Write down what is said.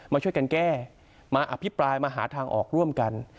มาช่วยกันแก้มาอภิปรายมาหาทางออกร่วมกัน